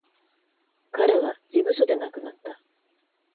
彼は事務所で亡くなった。